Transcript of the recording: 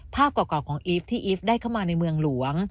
ภาพเก่าของอีฟที่อีฟได้เข้ามาในเมืองหลวง